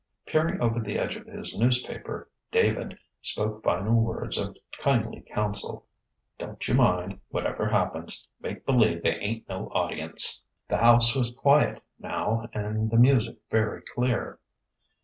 Peering over the edge of his newspaper, David spoke final words of kindly counsel: "Don't you mind, whatever happens. Make believe they ain't no audience." The house was quiet, now, and the music very clear.